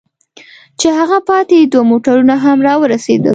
چې هغه پاتې دوه موټرونه هم را ورسېدل.